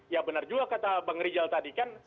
ya benar juga kata bang rijal tadi kan